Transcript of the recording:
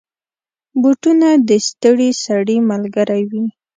بوټونه د ستړي سړي ملګری وي.